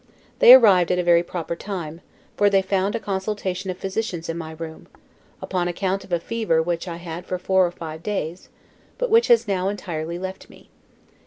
They arrived at a very proper time, for they found a consultation of physicians in my room, upon account of a fever which I had for four or five days, but which has now entirely left me.